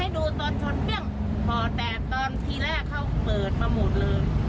ดูตอนชนเปรี้ยงพอแต่ตอนที่แรกเขาเปิดมาหมดเลย